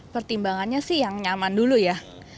pertimbangannya sih yang nyaman dulu ya